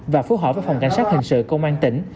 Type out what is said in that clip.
và phối hỏi với phòng cảnh sát hình sự công an tỉnh